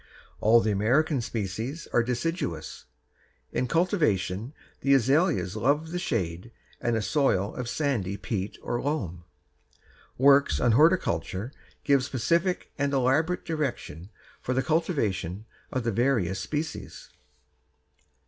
All the American species are deciduous. In cultivation the azaleas love the shade and a soil of sandy peat or loam. Works on horticulture give specific and elaborate direction for the cultivation of the various species.